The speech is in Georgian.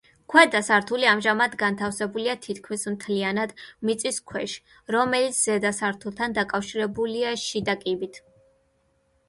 ქვედა სართული ამჟამად განთავსებულია თითქმის მთლიანად მიწის ქვეშ, რომელიც ზედა სართულთან დაკავშირებულია შიდა კიბით.